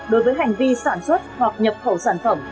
đối với hành vi sản xuất hoặc nhập khẩu sản phẩm